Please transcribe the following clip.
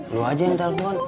lo aja yang telepon